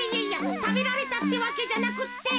たべられたってわけじゃなくって。